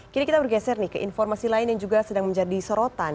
kini kita bergeser nih ke informasi lain yang juga sedang menjadi sorotan